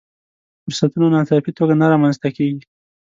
فرصتونه ناڅاپي توګه نه رامنځته کېږي.